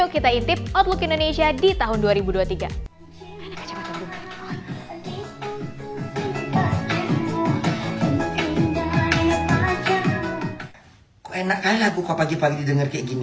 yuk kita intip outlook indonesia di tahun dua ribu dua puluh tiga